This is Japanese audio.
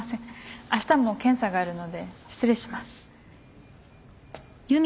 あしたも検査があるので失礼します。